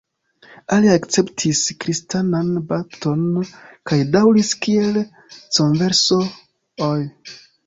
Aliaj akceptis kristanan bapton kaj daŭris kiel "converso"-oj.